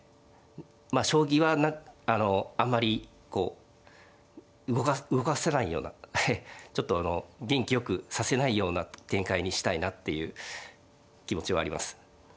まあ将棋はあのあんまりこう動かさせないようなちょっと元気よくさせないような展開にしたいなっていう気持ちはあります。